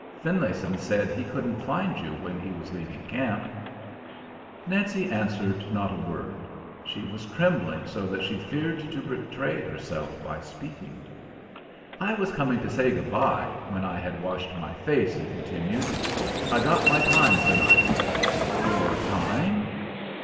Finlayson said he couldn't find you when he was leaving camp." Nancy answered not a word; she was trembling so that she feared to betray herself by speaking. "I was coming to say good by, when I had washed my face," he continued. "I got my time to night." "Your time?"